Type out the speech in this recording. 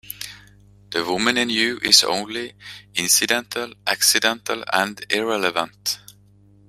The woman in you is only incidental, accidental, and irrelevant.